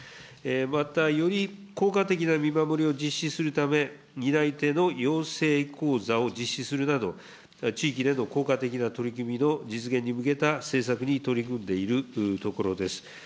またより効果的な見守りを実施するため、担い手の養成講座を実施するなど、地域での効果的な取り組みの実現に向けた政策に取り組んでいるところです。